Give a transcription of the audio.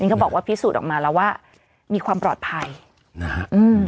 เขาบอกว่าพิสูจน์ออกมาแล้วว่ามีความปลอดภัยนะฮะอืม